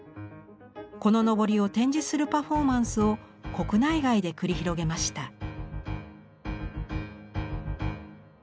この幟を展示するパフォーマンスを国内外で繰り広げました。